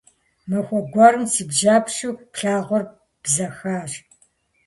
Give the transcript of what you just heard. Махуэ гуэрым си бжьэпщу плъагъур бзэхащ.